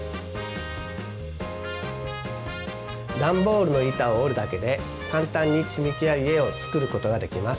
ダンボールの板を折るだけで簡単につみきや家を作ることができます。